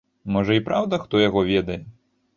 Можа, і праўда, хто яго ведае.